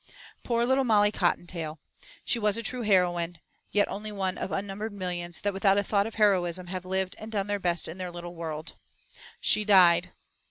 Poor little Molly Cottontail! She was a true heroine, yet only one of unnumbered millions that without a thought of heroism have lived and done their best in their little world, and died.